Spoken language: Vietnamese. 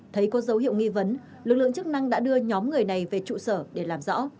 thấy có dấu hiệu nghi vấn lực lượng chức năng đã đưa nhóm người này về trụ sở để làm rõ